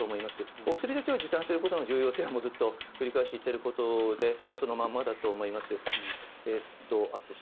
お薬手帳を持っていくことの重要性はもうずっと繰り返し言っていることでそのままだと思います。